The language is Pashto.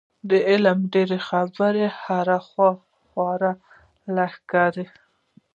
د عالم ډېرې خبرې هره خوا خورې لښکرې.